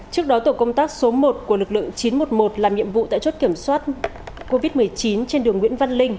trước đó tổ công tác số một của lực lượng chín trăm một mươi một làm nhiệm vụ tại chốt kiểm soát covid một mươi chín trên đường nguyễn văn linh